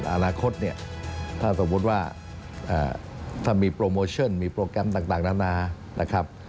อนาคตเนี่ยถ้าสมมุติว่าถ้ามีโปรโมชั่นมีโปรแกรมต่างนานานะครับ